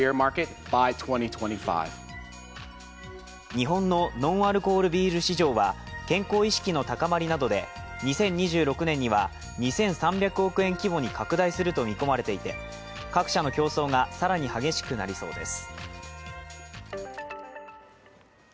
日本のノンアルコールビール市場は健康意識の高まりなどで２０２６年には２３００億円規模に拡大すると見込まれていて各社の競争が更に激しくなりそうです。